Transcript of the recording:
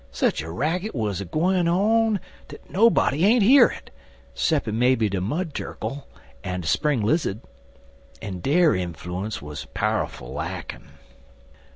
sech a racket wuz a gwine on dat nobody ain't hear it, 'ceppin' maybe de Mud Turkle en de Spring Lizzud, en dere enfloons wuz pow'ful lackin'.